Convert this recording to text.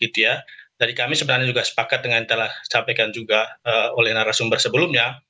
jadi kami sebenarnya juga sepakat dengan yang telah disampaikan juga oleh narasumber sebelumnya